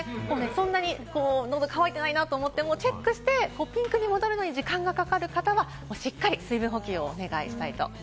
そんなに喉が渇いていなくてもチェックして、ピンクに戻るのに時間がかかる方はしっかり水分補給をお願いしたいと思います。